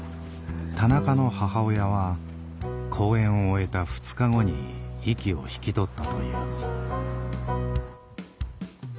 田中の母親は公演を終えた２日後に息を引き取ったという。